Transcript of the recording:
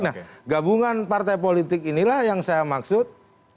nah gabungan partai politik inilah yang saya maksud